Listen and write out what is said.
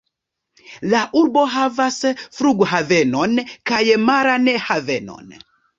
La urbo havas flughavenon kaj maran havenon.